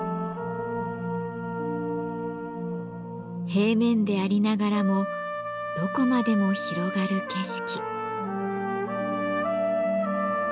平面でありながらもどこまでも広がる景色。